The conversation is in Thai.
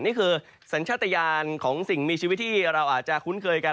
นี่คือสัญชาติยานของสิ่งมีชีวิตที่เราอาจจะคุ้นเคยกัน